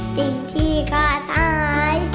สิ่งที่ขาดอาย